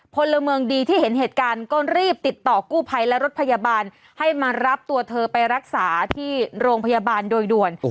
พลเมืองดีที่เห็นเหตุการณ์ก็รีบติดต่อกู้ภัยและรถพยาบาลให้มารับตัวเธอไปรักษาที่โรงพยาบาลโดยด่วน